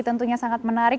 tentunya sangat menarik